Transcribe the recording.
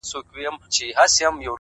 خالقه بيا به له هندارو سره څه کومه!!